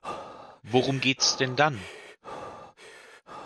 Worum geht's denn dann?